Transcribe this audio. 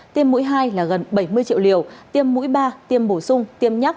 tiêm mũi hai là gần bảy mươi triệu liều tiêm mũi ba tiêm bổ sung tiêm nhắc